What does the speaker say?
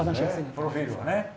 プロフィールをね。